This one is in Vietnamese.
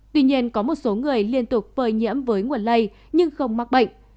tuy nhiên có một số người liên tục phơi nhiễm với nguồn lây nhưng không mắc bệnh